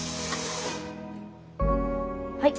はい。